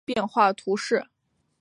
萨马尔索勒人口变化图示